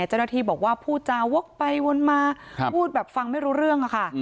เจ้าหน้าที่บอกว่าพูดจาวกไปวนมาพูดแบบฟังไม่รู้เรื่องอะค่ะ